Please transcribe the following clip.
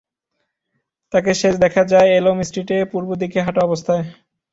তাকে শেষ দেখা যায় এলম স্ট্রিটে পূর্ব দিকে হাঁটা অবস্থায়।